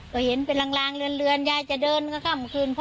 ก็เห็นเป็นลางเรือนยายจะเดินก็ค่ำคืน